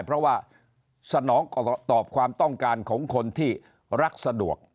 เพราะว่าสนองตอบความต้องการของคนที่รักสะดวก